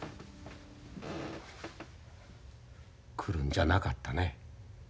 来るんじゃなかったね。